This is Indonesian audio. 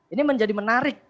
ini menjadi menarik